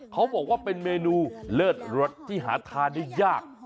เขาบอกว่าเป็นเมนูเลิศรสที่หาทานได้ยาก